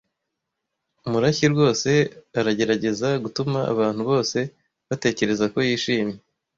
Murashyi rwose aragerageza gutuma abantu bose batekereza ko yishimye.